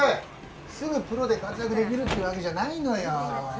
すぐプロで活躍できるってわけじゃないのよ。